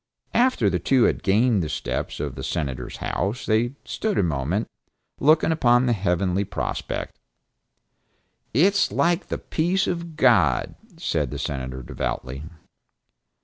After the two had gained the steps of the Senator's house they stood a moment, looking upon the lovely prospect: "It is like the peace of God," said the Senator devoutly.